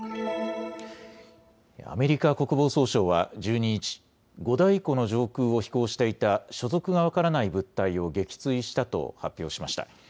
アメリカ国防総省は１２日、五大湖の上空を飛行していた所属が分からない物体を撃墜したと発表しました。